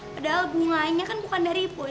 padahal bunganya kan bukan dari put